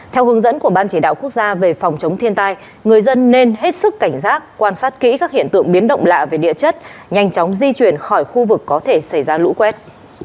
theo hướng dẫn của ban chỉ đạo quốc gia về phòng chống thiên tai người dân nên hết sức cảnh giác quan sát kỹ các hiện tượng biến động lạ về địa chất nhanh chóng di chuyển khỏi khu vực có thể xảy ra lũ quét